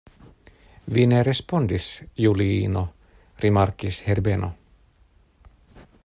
Vi ne respondis, Juliino, rimarkigis Herbeno.